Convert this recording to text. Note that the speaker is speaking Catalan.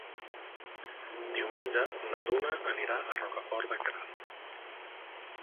Diumenge na Duna anirà a Rocafort de Queralt.